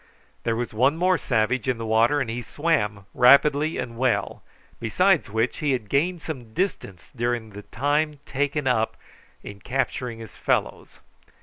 There was one more savage in the water, and he swam rapidly and well, besides which, he had gained some distance during the time taken up in capturing his fellows.